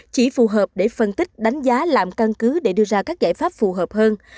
chỉ phù hợp để phân tích đánh giá làm căn cứ để đưa ra các giải pháp phù hợp hơn